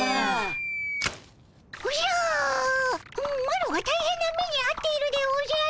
マロが大変な目にあっているでおじゃる。